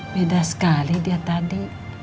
beda sekali dia tadi